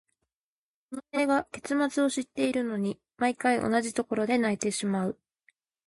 この映画、結末を知っているのに、毎回同じところで泣いてしまう。